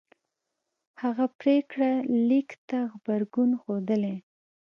هغه پرېکړه لیک ته غبرګون ښودلی